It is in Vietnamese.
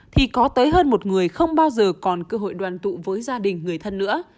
thì có tới hơn một người không bao giờ còn cơ hội đoàn tụ với gia đình người thân nữa